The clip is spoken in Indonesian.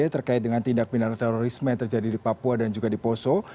terkait dengan tindak pindahan terorisme yang terjadi di papua dan juga di poso